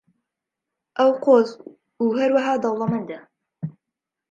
ئەو قۆز و هەروەها دەوڵەمەندە.